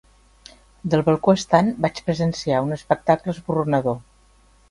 Del balcó estant vaig presenciar un espectacle esborronador.